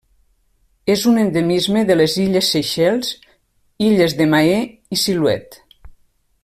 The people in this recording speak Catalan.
És un endemisme de les Illes Seychelles: illes de Mahé i Silhouette.